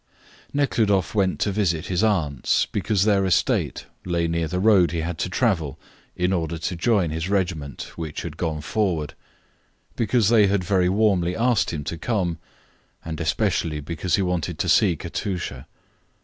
Nekhludoff went to visit his aunts because their estate lay near the road he had to travel in order to join his regiment, which had gone forward, because they had very warmly asked him to come, and especially because he wanted to see Katusha.